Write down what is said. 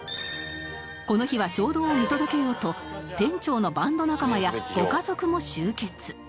この日は衝動を見届けようと店長のバンド仲間やご家族も集結